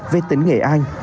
về tỉnh nghệ an